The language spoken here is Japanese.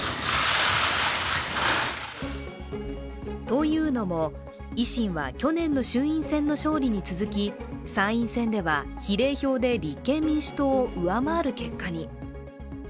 というのも、維新は去年の衆院選の勝利に続き参院選では比例票で立憲民主党を上回る結果に。